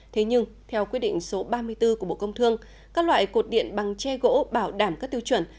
thế nhưng theo quyết định số ba mươi bốn của bộ công thương các loại cột điện bằng che gỗ bảo đảm các tiêu chuẩn